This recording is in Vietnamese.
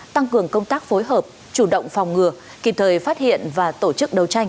tăng cường công tác phối hợp chủ động phòng ngừa kịp thời phát hiện và tổ chức đấu tranh